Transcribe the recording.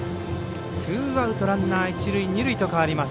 ツーアウト、ランナー一塁二塁と変わります。